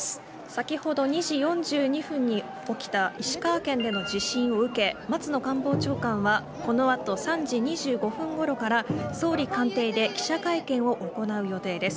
先ほど２時４２分に起きた石川県での地震を受け松野官房長官はこのあと３時２５分ごろから総理官邸で記者会見を行う予定です。